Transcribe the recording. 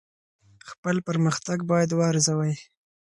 خپل پرمختګ باید وارزوئ.